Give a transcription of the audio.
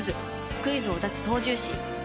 クイズを出す操縦士。